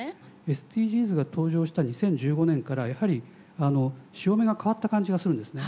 ＳＤＧｓが登場した２０１５年からやはり潮目が変わった感じがするんですね。